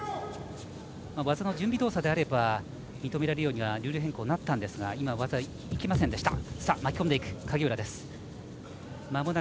技の準備動作であれば認められるようにはルール変更はあったんですが今は技、いきませんでした。